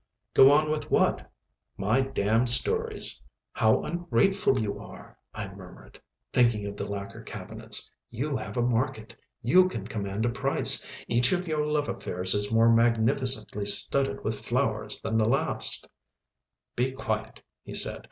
"Go on with what?" "My damned stories." "How ungrateful you are," I murmured, thinking of the lacquer cabinets, "you have a market, you can command a price. Each of your love affairs is more magnificently studded with flowers than the last " "Be quiet," he said.